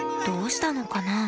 どうしたのかな？